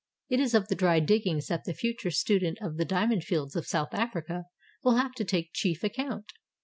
It is of the dry diggings that the future student of the Diamond Fields of South Africa will have to take chief account.